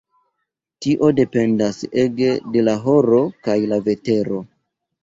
Tio dependas ege de la horo kaj la vetero.